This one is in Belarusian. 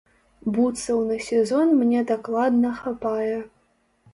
Бутсаў на сезон мне дакладна хапае.